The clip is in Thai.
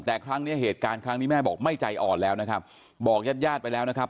แต่ครั้งเนี้ยเหตุการณ์ครั้งนี้แม่บอกไม่ใจอ่อนแล้วนะครับบอกญาติญาติไปแล้วนะครับ